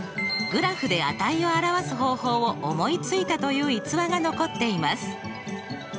グラフで値を表す方法を思いついたという逸話が残っています。